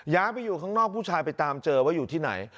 ไปอยู่ข้างนอกผู้ชายไปตามเจอว่าอยู่ที่ไหน